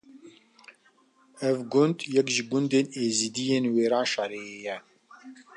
Ev gund yek ji gundên êzîdiyên Wêranşarê ye.